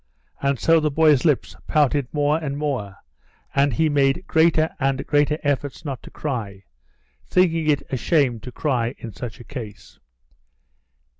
And so the boy's lips pouted more and more, and he made greater and greater efforts not to cry, thinking it a shame to cry in such a case.